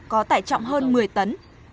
có tải trọng hơn một mươi tấn